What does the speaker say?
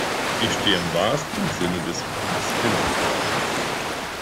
Ich stehe im wahrsten Sinne des Wortes hinter dir.